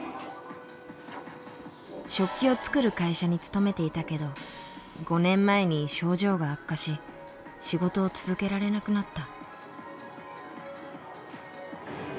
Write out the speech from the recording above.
食器を作る会社に勤めていたけど５年前に症状が悪化し仕事を続けられなくなった。